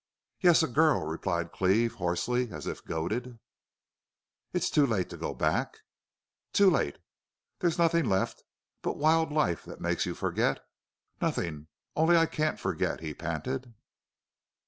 "Yes a girl!" replied Cleve, hoarsely, as if goaded. "It's too late to go back?" "Too late!" "There's nothing left but wild life that makes you forget?" "Nothing.... Only I can't forget!" he panted.